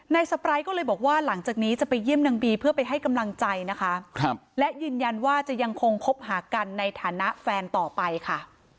สปายก็เลยบอกว่าหลังจากนี้จะไปเยี่ยมนางบีเพื่อไปให้กำลังใจนะคะและยืนยันว่าจะยังคงคบหากันในฐานะแฟนต่อไปค่ะ